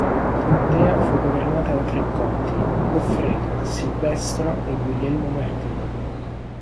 La contea fu governata da tre conti, Goffredo, Silvestro e Guglielmo-Martino.